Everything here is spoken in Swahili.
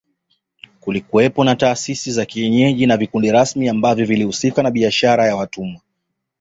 Kulikuwepo na taasisi za kienyeji na vikundi rasmi ambavyo vilihusika na biashara ya watumwa